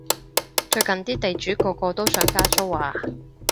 最近啲地主個個都想加租啊